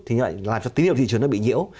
thì như vậy làm cho tín hiệu thị trường nó bị nhiễu